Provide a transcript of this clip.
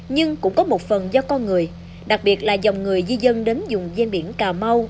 nhưng cũng có một phần do con người đặc biệt là dòng người di dân đến dùng gian biển cà mau